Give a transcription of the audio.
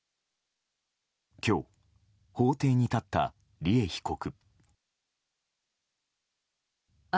今日、法廷に立った利恵被告。